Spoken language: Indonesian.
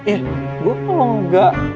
eh gue kalau enggak